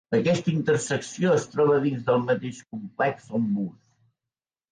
Aquesta intersecció es troba dins del mateix complex on Bus.